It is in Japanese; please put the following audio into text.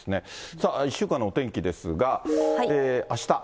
さあ、１週間のお天気ですが、あした。